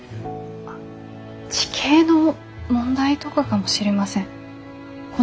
地形の問題とかかもしれません。